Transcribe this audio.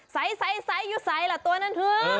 ใสอยู่ใสล่ะตัวนั้นคือ